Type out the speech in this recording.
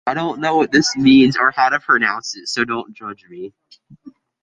The musical form of these four early saltarelli is the same as the estampie.